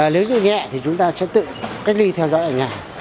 nếu như nhẹ thì chúng ta sẽ tự cách ly theo dõi ở nhà